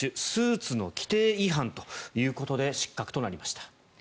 スーツの規定違反ということで失格となりました。